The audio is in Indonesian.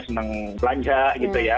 senang belanja gitu ya